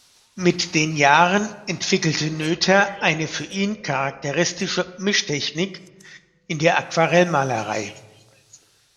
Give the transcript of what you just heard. Mit den Jahren entwickelte Noether eine für ihn charakteristische Mischtechnik in der Aquarellmalerei.